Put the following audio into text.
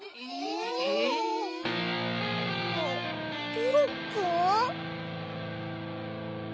ピロくん？